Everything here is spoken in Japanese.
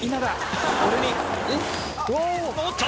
おっと。